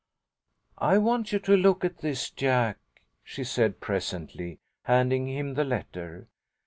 "I want you to look at this, Jack," she said, presently, handing him the letter.